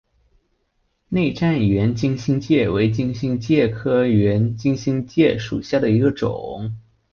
内战圆金星介为金星介科圆金星介属下的一个种。